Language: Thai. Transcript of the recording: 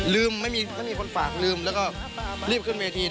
ลืมไม่มีเข้าให้มีคนฝากลืมแล้วก็รีบขึ้นเมธี